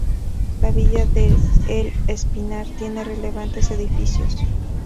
La villa de El Espinar tiene relevantes edificios.